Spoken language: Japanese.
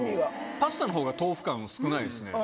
パスタのほうが豆腐感は少ないですね。